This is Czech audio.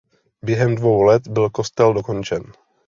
Během dvou let byl kostel dokončen.